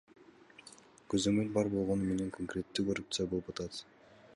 Көзөмөл бар болгону менен конкреттүү коррупция болуп атат.